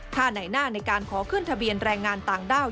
ถ้าไหนหน้าในการขอขึ้นทะเบียนแรงงานต่างด้าว